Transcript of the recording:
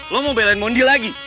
lo mau belan mondi lagi